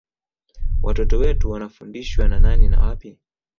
Watoto wetu wanafundishwa na nani na wapi